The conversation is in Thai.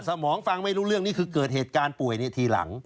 สมองฟังไม่รู้เรื่องนี่คือเกิดเหตุการณ์ป่วยในทีหลัง